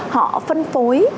họ phân phối